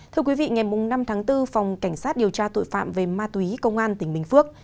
thưa quý vị ngày năm tháng bốn phòng cảnh sát điều tra tội phạm về ma túy công an tỉnh bình phước